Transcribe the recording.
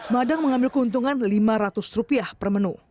madang mengambil keuntungan lima ratus per menu